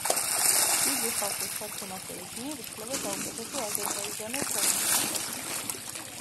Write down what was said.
იგი ხალხის ფართო მასების მიერ ითვლება საუკეთესო აზერბაიჯანელ ფეხბურთელად.